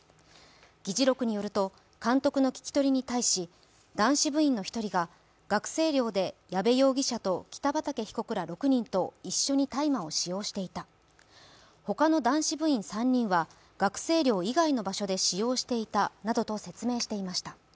議事録によると、監督の聞き取りに対し男子部員の１人が学生寮で矢部容疑者と北畠被告ら６人と一緒に大麻を使用していた、ほかの男子部員３人は学生寮以外の場所で使用していたなどと説明していました。